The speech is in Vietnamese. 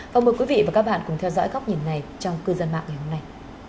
và mời quý vị và các bạn cùng theo dõi góc nhìn này trong cư dân mạng ngày hôm nay